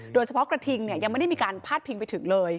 กระทิงยังไม่ได้มีการพาดพิงไปถึงเลย